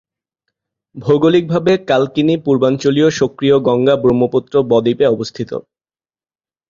ভৌগোলিক ভাবে কালকিনি পূর্বাঞ্চলীয় সক্রিয় গঙ্গা-ব্রহ্মপুত্র বদ্বীপে অবস্থিত।